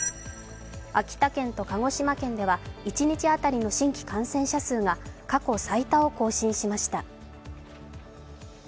秋田県と鹿児島県では一日当たりでの新規感染者数が過去最多を更新しました。